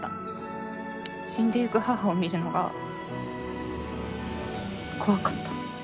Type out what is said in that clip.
死んでゆく母を見るのが怖かった。